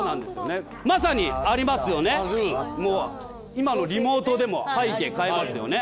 今のリモートでも背景変えますよね。